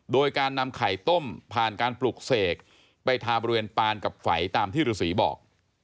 โดยการนำไข่ต้มผ่านการปลูกเสกไปทาบริเวณปานกับไฝตามที่ฤษีบอก